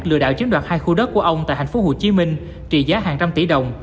lừa đảo chiếm đoạt hai khu đất của ông tại tp hcm trị giá hàng trăm tỷ đồng